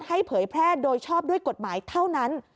เผยแพร่โดยชอบด้วยกฎหมายเท่านั้น